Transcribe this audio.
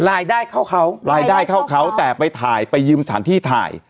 รายได้เข้าเขารายได้เข้าเขาแต่ไปถ่ายไปยืมสถานที่ถ่าย